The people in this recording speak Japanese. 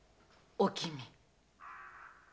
おきみ。